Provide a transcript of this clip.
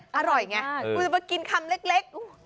อร่อยไงคุณจะมากินคำเล็ก